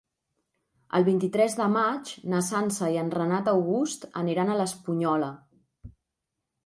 El vint-i-tres de maig na Sança i en Renat August aniran a l'Espunyola.